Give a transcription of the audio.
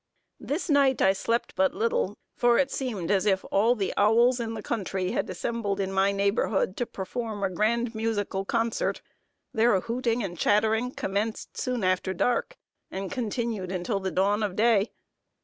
This night I slept but little; for it seemed as if all the owls in the country had assembled in my neighborhood to perform a grand musical concert. Their hooting and chattering commenced soon after dark, and continued until the dawn of day.